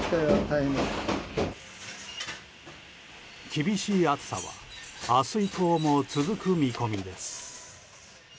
厳しい暑さは明日以降も続く見込みです。